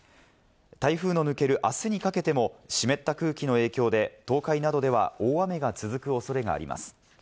台風の抜けるあすにかけても湿った空気の影響で、東海などでは大雨が続く恐れがあります。